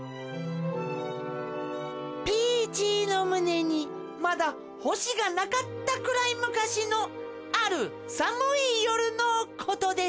ピーチーのむねにまだほしがなかったくらいむかしのあるさむいよるのことでした。